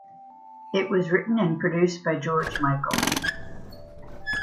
It was written and produced by George Michael.